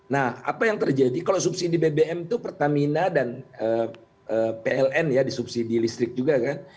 nah apa yang terjadi kalau subsidi bbm itu pertamina dan pln ya disubsidi listrik juga kan